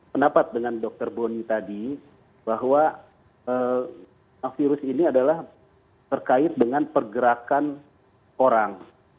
pendapat dengan dr boni tadi bahwa virus ini adalah terkait dengan pergerakan orang